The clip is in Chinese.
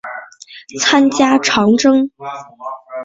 参加长征。